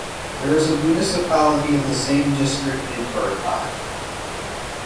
There is a municipality in the same district named Burgheim.